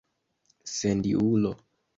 sendiulo